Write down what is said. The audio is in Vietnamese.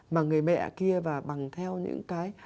mà người mẹ kia và bằng theo những cái